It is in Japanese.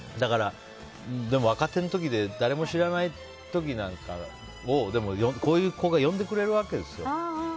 でも、若手の時で誰も知らない時でもこういう子が呼んでくれるわけですよ。